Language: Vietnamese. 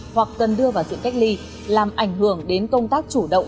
hoặc cần đưa vào sự cách ly làm ảnh hưởng đến công tác chủ động